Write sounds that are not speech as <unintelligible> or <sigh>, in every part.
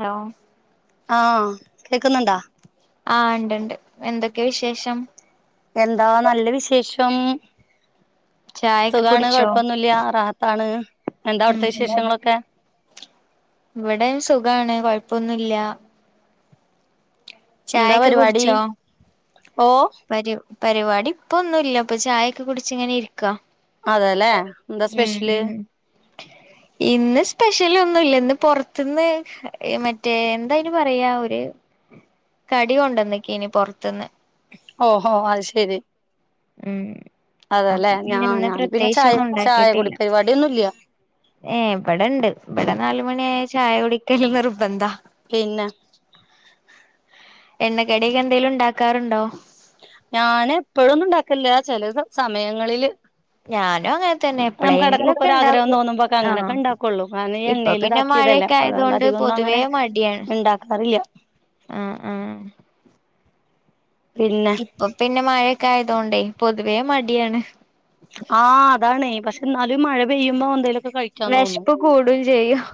Hello ആ കേക്കുന്നുണ്ടോ? ആ ഇണ്ടുണ്ട്. എന്തൊക്കെ വിശേഷം? എന്താ നല്ല വിശേഷം. ചായൊക്കെ സുഖാണ് കുടിച്ചോ കൊഴപ്പൊന്നുല്ല്യ റാഹത്താണ് എന്താ ഉം അവിടുത്തെ ഉം വിശേഷങ്ങളൊക്കെ? ഇവിടെ സുഖാണ് കൊഴപ്പൊന്നുല്ല എന്താ ചായൊക്കെ പരിപാടി കുടിച്ചോ ഓ പരി പരിപാടി ഇപ്പൊന്നുല്ല ഇപ്പൊ ചായയൊക്കെ കുടിച്ച് ഇങ്ങനെ ഇരിക്കാ അതെല്ലേ എന്താ ഉം സ്പെഷ്യല് ഉം <unintelligible> ഇന്ന് സ്പെഷ്യൽ ഒന്നുംല്ല ഇന്ന് പുറത്തുന്ന് മറ്റേ എന്തായന് പറയാ ഒര് കടി കൊണ്ടന്ന്ക്കേയ്ന്ന് പൊർത്തുന്ന് ഓഹോ അത് ശെരി ഉം അപ്പൊ അതെല്ലെ ഞാ പിന്നെ ഇന്ന് ഞാന് പിന്നെ ചായ പ്രത്യേകിച്ചൊന്നും ചായ കുടി ഉണ്ടാക്കിട്ടില്ല പരിപാടിയൊന്നുല്ല ഏഹ് ബടെണ്ട് ഇവിടെ നാല് മണിയായ ചായ കുടിക്കല് നി ർബന്ധാ പിന്നെ എണ്ണക്കടി ഒക്കെ എന്തേലും ഉണ്ടാക്കാറുണ്ടോ ഞാൻ എപ്പോഴൊന്നും ഉണ്ടാക്കൽല്ലാ ചെല സമയങ്ങളില് ഞാനും അങ്ങനെതന്നെ നമുക്ക് ഇടക്കൊക്കെ എപ്പളെങ്കിലോക്കെ ഒരു ആഗ്രഹം ഉണ്ടാക്കും തോന്നുമ്പോക്കെ ആഹ അങ്ങനൊക്കെ ഉണ്ടാക്കുള്ളൂ കാരണം ഈ ഇപ്പൊ എണ്ണയിൽ പിന്നെ മഴ ഇതാക്കിയതല്ലേ ക്കേ അതുകൊണ്ട് ആയതുകൊണ്ട് അധികൊന്നും പൊതുവേ അങ്ങനെ മടിയാണ് ഉണ്ടാക്കാറില്ല ആഹ് ആഹ് പിന്നെ അപ്പൊ പിന്നെ മഴയൊക്കെ ആയതോണ്ടേ പൊതുവേ മടിയാണ് ആഹ് അതാണെ പക്ഷെ എന്നാലും മഴ പെയ്യുമ്പോ എന്തേലും വെശ്പ്പ് കൂടും ചെയ്യും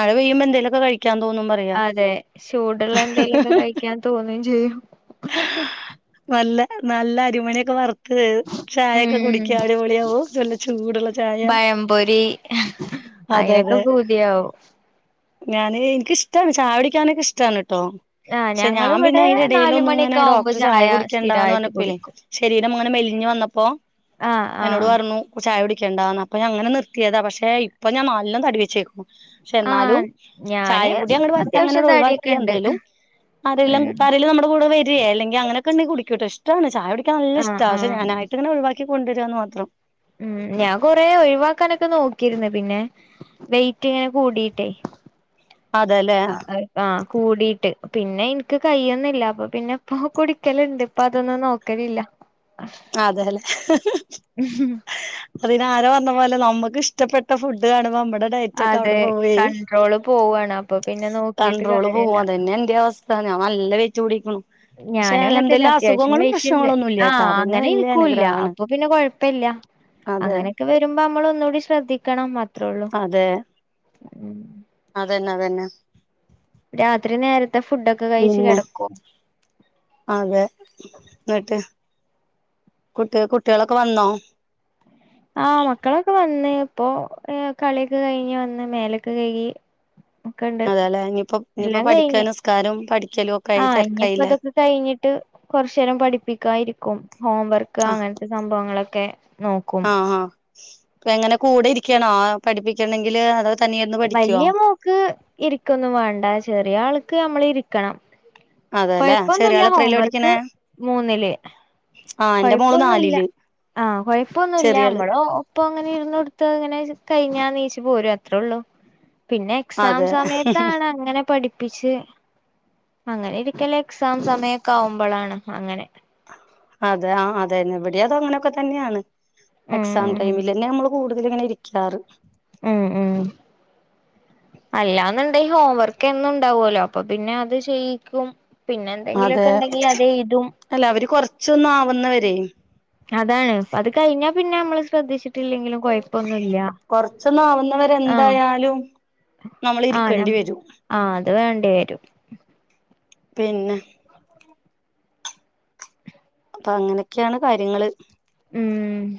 മഴ പെയുമ്പോ എന്തെലൊക്കെ കഴിക്കാൻ തോന്നും പറയാ അതെ ചൂടുള്ള എന്തെലൊക്കെ കഴിക്കാൻ തോന്നും ചെയ്യും നല്ല നല്ല അരിമണിയൊക്കെ വർ ത്ത് ചായയൊക്കെ ഉം കുടിക്കാ അടിപൊളിയാവും ചല്ല ചൂടുള്ള ചായ പഴംപൊരി അതെ അയിനൊക്കെ അതെ പൂതിയാവും ഞാന് ഇൻക്കിഷ്ടാണ് ചായുടി ക്കാനൊക്കെ ഇഷ്ടാണ് ട്ടോ ആഹ് പക്ഷേ ഞാൻ പിന്നെ ഞങ്ങളിവിടെ അയിന്റെടേൽ നാലുമണിയൊക്കെ ലൊന്നുങ്ങനെ ആവുമ്പോ ഡോക്ടർ ചായ കുടിക്കണ്ടാന്ന് സ്ഥിരായിട്ട് പറഞ്ഞപ്പളെ കുടിക്കും ശരീംരംങ്ങനെ മെലിഞ്ഞ് വന്നപ്പോ ആഹ് എന്നോട് ആഹ് പറഞ്ഞു ചായ കുടിക്കണ്ടാന്ന് അപോ ഞാ അങ്ങനെ നിർത്തിയതാ പക്ഷേ ഇപ്പ ഞാൻ നല്ലോ തടി വച്ചേക്കുന്നു പക്ഷെ എന്നാലും ആഹ് ചായ ഞാന് കൂടി അങ്ങട് അത്യാവശ്യം പറ്റഅങ്ങനെട് ഒഴിവാക്കി തടിയൊക്കെ ഇണ്ട് എന്തേലും അരേലും ഉം പറിം <unintelligible> കൂടെ വരേ അല്ലെങ്കി അങ്ങനൊക്കെണ്ടെങ്കി കുടിക്കുട്ട ഇഷ്ടാണ് ചായ കുടിക്കാ നല്ല ആഹ് ഇഷ്ട ആഹ് ഞാനായിട്ട് ഇങ്ങനെ ഒഴിവാ ക്കി കൊണ്ടുവരാന്ന് മാത്രം ഉം ഞാൻ കൊറേ ഒഴിവാക്കാനൊക്കെ നോക്കിര്ന്ന് പിന്നെ വെയ്റ്റ് ഇങ്ങനെ കൂടിയിട്ടേ അതെല്ലേ അഹ് ആഹ് കൂടിട്ട് പിന്നെ എനിക്ക് കയൊന്നില്ല അപ്പൊ പിന്നെ ഇപ്പൊ കുടിക്കലുണ്ട് പ്പൊ അതൊന്നും നോക്കലില്ല അതേലെ അതിന് ആരോ വ ന്ന പോലെ നമ്മുക്ക് ഇഷ്ടപ്പെട്ട ഫുഡ് കാണുമ്പ നമ്മുടെ ഡയറ്റോകെ അവിടെ അതെ പോവേ കൺട്രോള് പോവാണ് അപ്പൊ പിന്നെ നോക്കിട്ട് കണ്ട്രോള് പോവും കാര്യല്ല അതന്നെന്റെ അവ സ്ഥ ഞാൻ നല്ല വെയിറ്റ് കൂടിക്കെണു ഞാനും അങ്ങൻതന്നെ അത്യാവശ്യം വെയിറ്റുണ്ട് പ്രശ്നങ്ങളൊന്നും ഇല്ലാട്ടാ ആഹ് അതന്നെ ങ്ങനെ വല്യ ഇൻക്കൂല്ല്യ അനുഗ്രഹാണ് അപ്പൊ പിന്നെ കൊഴപ്പല്ല്യ അതെ അങ്ങനെയൊക്കെ വരുമ്പോ നമ്മള് ഒന്നുകൂടി ശ്രദ്ധിക്കണം അത്രേ ഒള്ളൂ അതെ അതന്നെ അതന്നെ രാത്രി നേരത്തെ ഫുഡ്ഒക്കെ പിന്നെ അതെ ഇന്നട്ട് കുട്ടിയാ കുട്ടിയാളൊക്കെ വന്നോ? ആഹ് മക്കളൊക്കെ വന്ന് ഇപ്പൊ കളിയൊക്കെ കഴിഞ്ഞ് വന്ന് മേലൊക്കെ കഴുകി ഒക്കെണ്ട് അതെലെ ഇഞ്ഞിപ്പൊ ഇഞ്ഞിപ്പൊ എല്ലാം പഠിക്കാ കഴിഞ്ഞ് നിസ്കാരം പഠിക്കലൊ ആഹ് ഇഞ്ഞിപ്പോ ഇതൊക്കെ കഴിഞ്ഞിട്ട് കൊറച്ചേരം പഠിപ്പിക്കാ ഇരിക്കും ഹോം വർക്ക് അങ്ങൻത്തെ സംഭവങ്ങളൊക്കെ നോക്കും ആഹഹാ എങ്ങനെ കൂടെ ഇരിക്കണോ പഠിപ്പിക്കണെങ്കില് അതൊ വല്ല്യ മോക്ക് ഇരിക്കൊന്നും വാണ്ട ചെറിയ ആൾക്ക് അമ്മള് ഇരിക്കണം അതെല്ലേ കൊഴപ്പൊന്നുല്ല ചെറിയാള് എത്രയിലാ ഹോംവർക്ക് പഠിക്കണേ മൂന്നില് ആഹ് എന്റെ മോള് കൊഴപ്പൊന്നുല്ല നാലില് ആഹ് കൊഴപ്പൊന്നുല്ല ചെറിയാള് അമ്മള് ഒ പ്പൊ അങ്ങനെ ഇരുന്ന് കൊടുത്ത് അങ്ങനെ കഴിഞ്ഞാ നീച്ചു പോരും അത്രേ ഒള്ളൂ പിന്നെ എക്സാം അതെ സമയത്താണ് അങ്ങനെ പഠി പ്പിച്ച് അങ്ങനെ ഇരിക്കല് എക്സാം സമയക്കാവുമ്പോളാണ് അങ്ങനെ അതെ ആ അതെന്നെ ഇവിടിം അത അങ്ങനൊക്കെ തന്നെയാണ് എക്സാം ഉം ടൈമിലെന്നെ നമ്മ കൂടുതല് ഇങ്ങനെ ഇരിക്കാറ് ഉം ഉം അല്ലാന്ന്ണ്ടെയ് ഹോംവർക്ക് എന്നും ഉണ്ടാവലൊ അപ്പൊ പിന്നെ അത് ചെയ്യിക്കും പിന്നെ അതെ എന്തെങ്കിലൊക്കെ ഇണ്ടെങ്കി അത് എഴുതും അല്ല അവര് കൊറച്ചൊന്ന് ആവുന്നവരെയ് അതാണ് അത് കഴിഞ്ഞാ പിന്നെ നമ്മള് ശ്രദ്ധിച്ച കൊറച്ചൊന്ന് ആവുന്നവരെ ആഹ് എന്തായാലും നമ്മള് ഇരിക്കണ്ടിവരും ആ അത് വേണ്ടി വരും. പിന്നെ അപ്പ അങ്ങനെക്കെയാണ് കാര്യങ്ങള് ഉം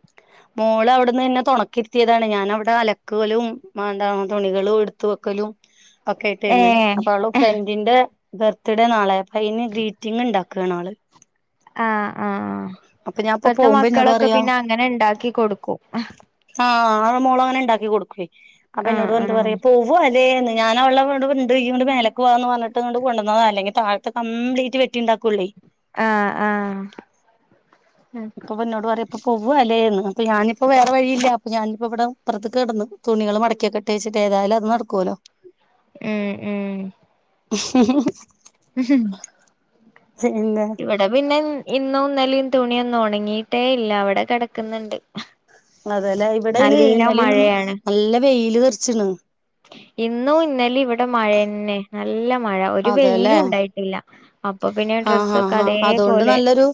<inaudible> മോള് അവിടെന്ന് എന്നെ തൊണക്കിരുത്തിയതാണ് ഞാൻ അവിടെ അലക്കലും <unintelligible> തുണികളും എടുത്തു വെക്കലും <inaudible> ഒക്കെ ആയിട്ടിരുന്ന് ഏഹ് അപ്പ അവള് ഫ്രണ്ടിന്റെ ബർത്ത്ഡേ നാളെ അപ്പ അതിന് ഗ്രീറ്റിംഗ് ഇണ്ടാക്കാണ് ഓള് ആഹ് ആഹ് അപ്പൊ ഞാൻപ്പൊ ഇപ്പത്തെ പോകുമ്പോ എന്നോട് മക്കളൊക്കെ പറയാ പിന്നെ അങ്ങനെ ഇണ്ടാക്കി കൊടുക്കും ആഹ് ആ മോളങ്ങനെണ്ടാക്കി കൊടുക്കെ അപ്പൊ ആഹ് എന്നോട് എന്താ ആഹ് പറയാ പുവ അതേന്ന് ഞാന വളെവ്‌ടെ ഇണ്ട് ഇയ്യ് ഇങ്ങട്ട് മേലക്ക്‌ വാ ന്ന് പറഞ്ഞി്ട്ട് കൊണ്ടന്നത അല്ലെങ്കിൽ താഴത്തെ കംപ്ലീറ്റ് വെട്ടി ഇണ്ടാക്കൊള്ളേ ആഹ് ആഹ് ഉം ഇപ്പപ്പൊ ഇന്നോട് പറയ ഇപ്പ പൂവായി <unintelligible> അപ്പ ഞാനിപ്പോ വേറെ വഴിയില്ല അപ്പൊ ഞാനിപ്പോ ഇവിടെ ഇപ്പറത്ത്ക്ക് കെടന്നു തുണികൾ മടക്കിവെ ക്കട്ടേച്ചിട്ട് ഏതായാലും അത് നടക്കുവൊല്ലോ ഉം ഉം <inaudible> ഉം ചെയ്യ്ന്നെ ഇവടെ പിന്നെ ഇന്നും ഇന്നലിം തുണിയൊന്നും ഉണങ്ങിട്ടേ ഇല്ല അവിടെ കിടക്കുന്നുണ്ട് അതല ഇവിടെ അയിന് ഇന്നലി ഇന്നും മഴയാണ് നല്ല വെയില് തെറിച്ചിണ് ഇന്നും ഇന്നലിം ഇവിടെ മഴന്നെ നല്ല മഴ ഒരു അതേല്ലേ വെയിലും ഇണ്ടായിട്ടില്ല അപ്പൊ പിന്നെ ഡ്രസ്സൊക്കെ അതേപോലെ ഒരു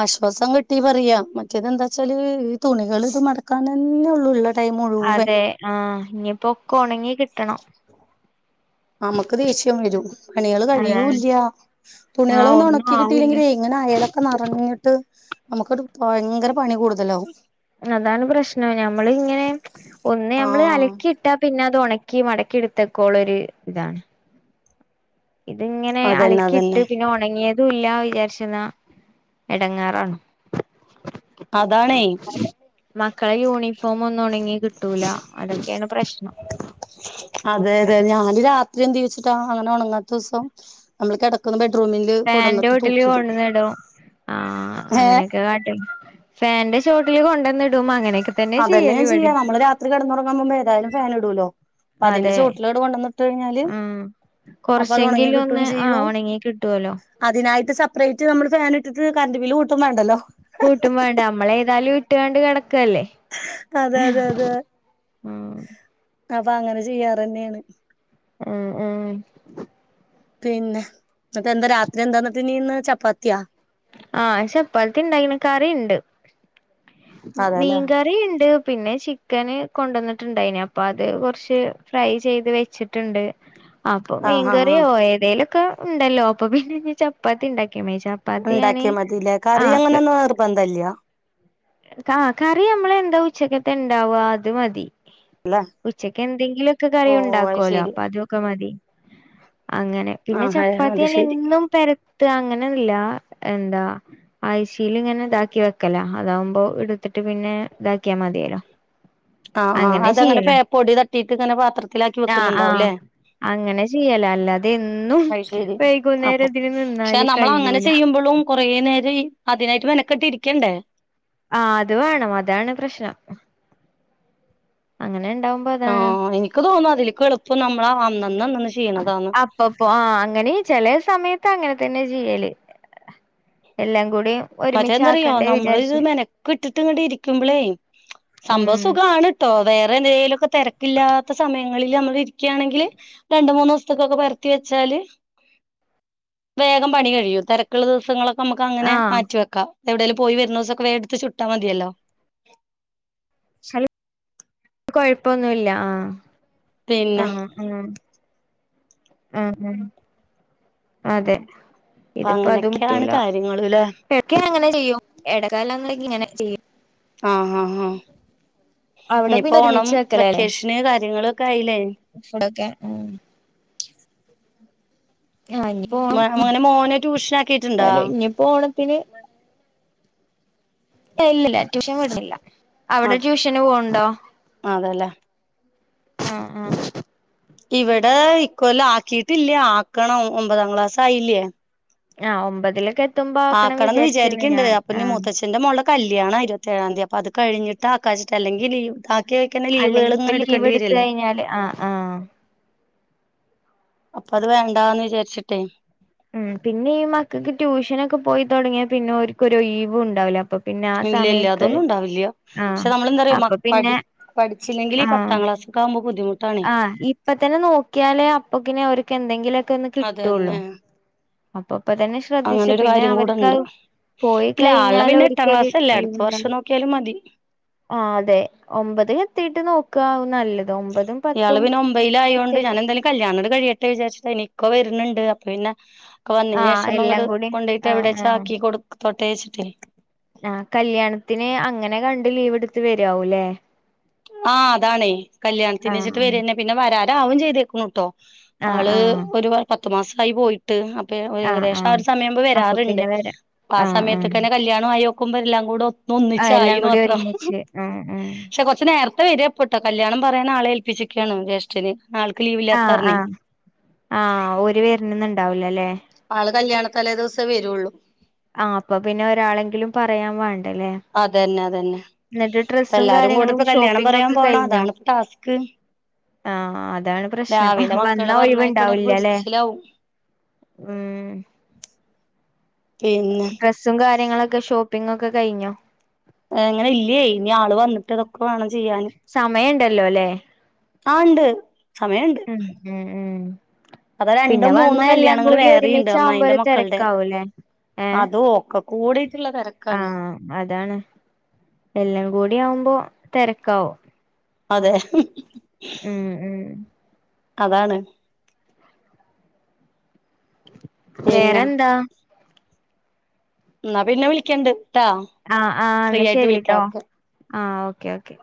ആശ്വാസം കിട്ടി പറയാ മറ്റേത് എന്താച്ചാല് ഈ തുണികൾ ഇത് മടക്കാൻ തന്നെ ഉള്ളൂള്ള അതെ ആഹ് ഇനിയിപ്പോ ഒക്ക ഉണങ്ങി കിട്ടണം നമുക്ക് ദേഷ്യം വരും പണികൾ അതാണ് കഴിയൂല്ല്യ ആഹ് തുണികളൊന്നും ഒന്നും ഉണക്കി ആവൂല്ല കിട്ടിയില്ലെങ്കിലെ ഇങ്ങനെ അയലൊക്കെ നറഞ്ഞിട്ട് നമുക്ക്ട്ട് ഭയങ്കര പണി കൂടുതലാവും അതാണ് പ്രശ്നം ഞമ്മൾ ഇങ്ങനെ ഒന്ന് ഞമ്മള് ആഹ് അലക്കിയിട്ടാ പിന്നെ അത് ഉണക്കി മടക്കി എടുത്തൊക്കൊള ഒരു ഇതാണ് ഇതിങ്ങനെ അതന്നെ അലക്കിയിട്ട് അതന്നെ പിന്നെ ഉണങ്ങിയ തും ഇല്ല വിചാരിച്ചെന്ന എടങ്ങാറാണ് അതണേ മക്കളെ യൂണിഫോം ഒന്നും ഉണങ്ങി കിട്ടൂല അതൊക്കെയാണ് പ്രശ്നം അതെ അതെ ഞാന് രാത്രി എന്തേച്ചിട്ടാ അങ്ങനെ ഒണങ്ങാത്തൂസം അമ്മൾ കെടക്കുന്ന ബെഡ്റൂമില് ഫാന്റെ കൊടന്നിട്ട് ചോട്ടില് തൂക്കിടും കൊണ്ടന്നിടും ആഹ് അങ്ങനെക്കെ കാട്ട ഫേന്റെ ചോട്ടില് കൊണ്ടന്നിടും അങ്ങനെ അതന്നെ ഞാ ചെയ്യാ നമ്മള് രാത്രി കെടന്നുറങ്ങാപോമ്പം ഏതായാലും ഫേനിടൂലോ പ്പതിന്റെ അതെ ചോട്ടിലാണ്ട്കൊണ്ടന്നിട്ട് കഴിഞ്ഞാല് അപ്പൊ അത് ഉണങ്ങി കിട്ടും കൊറച്ചെങ്കിലുംന്ന് ആഹ് ചെയ്യും ഒണങ്ങി കിട്ടോല്ലോ അതിനായിട്ട് സെപ്പറേറ്റ് നമ്മൾ ഫാൻ ഇട്ടിട്ട് കറണ്ട്റ് ബില്ല് കൂട്ടും വേണ്ടല്ലോ കൂട്ടുംവാണ്ട അമ്മളേതായാലും ഇട്ടുകാണ്ട് കെടക്കല്ലേ അതെ അതെ അതെ ഉം അപ്പൊ അങ്ങനെ ചെയ്യാറെന്നെണ് ഉം ഉം പിന്നെ ന്നട്ടെന്താ രാത്രി എന്താന്നിട്ട് ഇനീന്ന് ചപ്പാത്തിയാ ആഹ് ചപ്പാത്തി ഇണ്ടായിക്ക്ണ് കറിണ്ട് അതെല്ലേ മീൻകറീണ്ട് പിന്നെ ചിക് ചിക്കന് കൊണ്ടന്നിട്ട്ണ്ടൈനി അപ്പൊ അത് കൊറച്ച് ഫ്രൈ ചെയ്ത് വെച്ചിട്ടിണ്ട് അപ്പൊ ആഹ് ആഹ് മീൻകറിയോ ആഹ് ഏതേലൊക്കെ ഉണ്ടല്ലോ അപ്പൊ പിന്നെ ഇനി ചപ്പാത്തി ഉണ്ടാക്കിയ മേ ഉണ്ടാക്കിയാ മതില്ലേ കറി അങ്ങനെ ഒന്നും നിർബന്തല്യ ആഹ് കറി അമ്മളെ എന്താ ഉച്ചക്കത്തെണ്ടാവ അത് മതി അല്ലെ ഉച്ചക്ക് എന്തെങ്കിലൊക്കെ കറി ഓ ഓ അത് ഉണ്ടാക്കുവലോ ശരി അപ്പൊ അതൊക്കെ മതി അങ്ങനെ പിന്നെ ആഹ് അത് ചപ്പാത്തിയന്നെ ശരി എന്നും പെര രത്ത അങ്ങനെല്ല എന്താ ആഴ്ച്ചീലിങ്ങനെ ഇതാക്കി വെക്കല അതാവുമ്പ അപ്പൊ എടുത്തിട്ട് പിന്നെ ഇതാക്കിയാ മതിയല്ലോ ആഹ് ആഹ് അത് അങ്ങനെ പേ പൊടി തട്ടീട്ട്ങ്ങനെ പാത്രത്തിലാക്കി ആഹ് ആഹ് വെക്കുന്നുണ്ടാവുലേ അങ്ങനെ ചെയ്യല അല്ലാതെ എന്നും അത് ശരി അപ്പൊ വൈകുന്നേരതിന് പക്ഷെ നിന്നാല് നമ്മളങ്ങനെ കയ്യൂല ചെയ്യുമ്പളും കുറേ നേരം അതിനായിട്ട് മെനക്കെട്ടിരിക്കണ്ടേ ആഹ് അത് വേണം അതാണ് പ്രശ്നം അങ്ങനെണ്ടാവും ആഹ് എനിക്ക് തോന്ന് അതിലെക്ക് എളുപ്പം നമ്മളാ അന്നന്നന്ന് ചെയ്യണതാന്ന് ഒപ്പ ആഹ് അങ്ങനെ ചെലേ സമയത്ത് അങ്ങനെ തന്നെ ചെയ്യല് എല്ലാം കൂടി മറ്റേ ഒരുമിച്ച് എന്താറിയോ ആക്കണ്ടേ നമ്മളിത് വിചാരിച്ച് മെനക്കെട്ടിട്ട് ഇങ്ങട്ട് ഇരിക്കുമ്പളേയ് സംഭവ ഉം സുഖാണ് ട്ടോ വേറെ എതേലൊക്കെ തെരക്കില്ലാത്ത സമയങ്ങളില് അമ്മൾ ഇരിക്ക്യാണെങ്കില് രണ്ട് മൂന്നൂസ്ത്തൊക്കൊക്കെ പരത്തി വെച്ചാല് വേഗം പണി കഴിയും തെരക്കുള്ള ദിവസങ്ങളൊ നമുക്ക് അങ്ങനെ ആഹ് മാറ്റിവെക്കാം എവിടെലും പോയി വരുണോസൊക്കെ വേടുത്ത് ചുട്ടാ മതിയല്ലോ കൊഴപ്പൊന്നുല്ല അഹ് പിന്നെ ആഹ് ആഹ് ആഹ് ആഹ് അതെ അപ്പൊ അങ്ങനൊക്കെയാണ് കാര്യങ്ങള്ലെ ഇടക്കിങ്ങനെ ചെയ്യും ഇടക്കാലംന്നങ്കി ഇങ്ങനെ ചെയ്യും ആഹ് ഹാ ഹാ അവിടെ പിന്നെ ഇഞ്ഞിപ്പോ ഓണം ഒരുമിച്ച് വെക്കേഷന് കാര്യങ്ങളൊക്കെ ആയീലേ ഫുടൊക്കെ ആഹ് മഹ്മന മോനെ ട്യൂഷന ക്കാരം ഇഞ്ഞിപ്പോണത്തിന് ഇല്ലില്ല ട്യൂഷൻ വിട്ണില്ല അവിടെ ട്യൂഷന് പോവ്ണ്ടോ? അതേല്ലേ ആഹ് ആഹ് ഇവിടെ ഇക്കല്ല് ആക്കിട്ടില്ല ആക്കണം ഒമ്പതാം ക്ലാസ് ആയില്ലേ ആഹ് ഒമ്പതിലൊക്കെ എത്തുമ്പോ ആക്കണം വിചാര്ച്ചീണ് ഞാൻ ആഹ് ഇന്റെ മോൾടെ കല്ല്യാണ ഇരുവത്തേഴാംതി അപ്പത് കഴിഞ്ഞിട്ടാക്കാശിട്ടാ അല്ലെങ്കി ലീവ് ബാക്കി വെക്ക്ണ ലീവുകൾങ്ങനെ എടുക്കെണ്ടി വെരല്ലേ ഞ്ഞാല് ആഹ് ആഹ് അപ്പ അത് വേണ്ടന്ന് വിചാരിച്ചിട്ടേ ഉം പിന്നെ ഈ മക്കൾക്ക് ട്യൂഷനൊക്കെ പോയി തുടങ്ങിയാ പിന്നെ ഓര്ക് ഒര് ഒഴിവും ഉണ്ടാവില്ലേ അപ്പൊ പിന്നെ ആ ഇല്ല ഇല്ല സമയത്ത് അതൊന്നും ഉണ്ടാവില്ല ആഹ് പക്ഷെ നമ്മളെ നമ്മൾ എന്താ അപ്പൊ പിന്നെ അറിയോ പഠിച്ചില്ലെങ്കിൽ ഈ ആഹ് പത്താം ക്ലാസ്സക്കെ ആകുമ്പോ ബുദ്ധമുട്ടാണ് ആഹ് ഇപ്പ തന്നെ നോക്കിയാലേ അപ്പൊക്കിനെ അവർക്ക് എന്തെങ്കിലുമൊക്കെ ഒന്ന് കിട്ടുള്ളൂ അതന്നെ അപ്പൊ ഇപ്പൊ തന്നെ ശ്രദ്ധിച്ചു അങ്ങനെ ഒരു പിന്നെ കാര്യം അവർക്ക് കൂടെണ്ട് അത് പോയി ഇല്ല ആളെ കഴിഞ്ഞാൽ പിന്നെ എട്ടാം ഒരിക്കൊരു ക്ലാസ്സ് അല്ലെ അടുത്ത ഒഴിവുണ്ടാവും വർഷം നോക്കിയാലും മതി ആഹ് അതെ ഒമ്പത് എത്തിട്ട് നോക്കവും നല്ലത് ഒമ്പതും ഇയാള് പത്തും പിന്നെ ഒമ്പയിൽ ആയോണ്ട് കൃത്യായിട്ട് ഞാനെ എന്തേലും കല്യാണോട് കഴിയട്ടെ വിചാരിച്ചട്ട ഇനിക്ക വരുന്നുണ്ട് അപ്പൊ പിന്നെ ഇക്ക വന്നിന് ആഹ് ശേഷം എല്ലാം ഒന്ന്ങട് കൂടി കൊണ്ട യിട്ട് ആഹ് ആഹ് എവിടെച്ചാക്കി കൊടു തൊട്ടേ വെച്ചിട്ടേ ആഹ് കല്യാണത്തിന് അങ്ങനെ കണ്ട് ലീവ്ടുത്ത് വരാവൂല്ലേ ആ അതാണേ കല്യാണത്തിന്ച്ചിട്ട് ആഹ് വരന്നെ പിന്നെ വരാരാവും ചെയ്തേക്കുന്നുട്ടോ ആഹ് ആള് ആഹ് ഒരു പത്ത് മാസായി പോയി അപ്പ ആഹ് ഏകദേശം ആ ആഹ് ഒരു സമയം അപ്പൊ വരാറുണ്ട് പിന്നെ വരാ അ ആ ആഹ് ആഹ് സമയത്തൊക്കന്നെ കല്യാണആയി നോക്കുമ്പ എല്ലാം കൂടെ ഒ ഒന്നിച്ചായിന് മാത്രം ഉം ഉം പക്ഷെ നേരത്തെ വരികപ്പെട്ടോ കല്യാണം പറയാൻ ആളെ ഏൽപ്പിച്ചിക്കുകയാണ് ജ്യേഷ്ഠന് ആൾക് ലീവ് ആഹ് ആഹ് ആ ഒരു വരിനന്നും ഉണ്ടാവൂലല്ലേ ആള് കല്യാണ തലേ ദിവസേ വരുള്ളൂ ആഹ് അപ്പ പിന്നെ ഒരാളെങ്കിലും പറയാൻ വേണ്ടല്ലേ അതന്നെ അതന്നെ ന്നിട്ട് ഇപ്പ ഡ്രെസ്സും എല്ലാരും കൂടെ കാര്യങ്ങളും ഇപ്പ കല്യാണം ഷോപ്പിങ്ങ പറയാൻ ഒക്കെ പോണം കഴിഞ്ഞോ അതാണ് ഇപ്പ ടാസ്ക് ആഹ് അതാണ് പ്രശ്നം രാവിലെ മക്കളെ വന്നാ പറഞ്ഞയക്കണ ഒരു ഒഴിവുണ്ടാവില്ലല്ലെ പൊരിച്ചിലാവും ഉം പിന്നെ ഡ്രസ്സും കാര്യങ്ങളൊക്കെ ഷോപ്പിങ്ങ ഒക്കെ കഴിഞ്ഞോ എങ്ങനെ ഇല്ലേ ഇനി ആള് വന്നിട്ട് ഇതൊക്കെ വേണം ചെയ്യാൻ സമയം ഇണ്ടല്ലോല്ലേ ആഹ് ഇണ്ട് സമയണ്ട് ഉം ഉം ഉം അത പിന്നെ രണ്ടും മൂന്നും വന്നാ എല്ലാം കല്യാണങ്ങള് കൂടി വേറി ഇണ്ട് ഒരുമിച്ചാവുമ്പോ അമ്മായിന്റെ ഒരു മക്കൾടെ തിരക്കാവൂല്ലേ ഏഹ് അതും ഓക്കകു കൂടിയിട്ട്ള്ളെ തെരക്കാണ് ആഹ് അതാണ് എല്ലം കൂടി ആവുമ്പോ തെരക്കാവും അതെ ഉം ഉം അതാണ് വേറെ പിന്നെ എന്താ ഇന്നാ പിന്നെ വിളിക്കണ്ട് ട്ടോ ആഹ് ആഹ് ഇന്നാ ശരി ട്ടോ ആഹ് ഓക്കെ ഓക്കെ